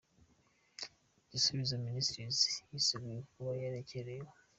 Gisubizo Ministries yiseguye ku kuba yakererewe.